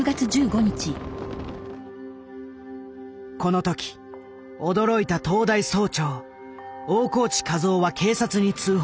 この時驚いた東大総長大河内一男は警察に通報。